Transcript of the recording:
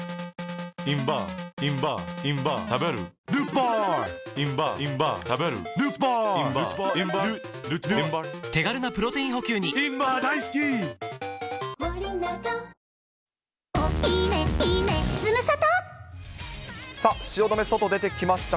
ペイトクさあ、汐留外出てきました。